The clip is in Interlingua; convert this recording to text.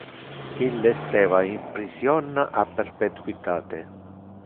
Ille esseva in prision a perpetuitate.